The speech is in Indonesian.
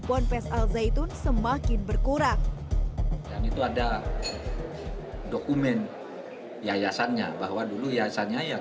ponpes al zaitun semakin berkurang dan itu ada dokumen yayasannya bahwa dulu yayasannya yang